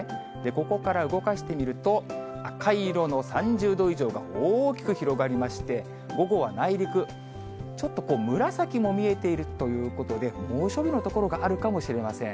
ここから動かしてみると、赤い色の３０度以上が大きく広がりまして、午後は内陸、ちょっと紫も見えているということで、猛暑日の所があるかもしれません。